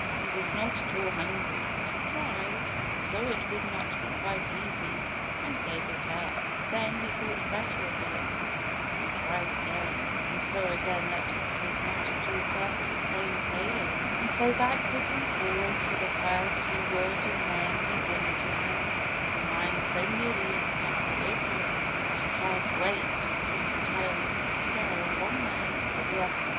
He was not at all hungry but he tried, saw it would not be quite easy and gave it up; then he thought better of it and tried again, and saw again that it was not all perfectly plain sailing; and so backwards and forwards with the first he would and then he wouldn'tism of a mind so nearly in equilibrium that a hair's weight would turn the scale one way or the other.